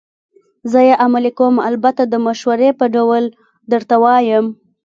زه یې عملي کوم، البته د مشورې په ډول درته وایم.